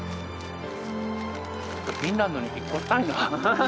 フィンランドに引っ越したいな。